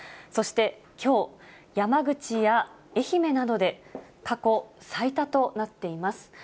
そしてきょう、山口や愛媛などで過去最多となっています。